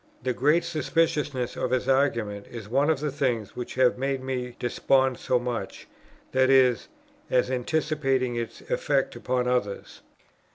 The great speciousness of his argument is one of the things which have made me despond so much," that is, as anticipating its effect upon others.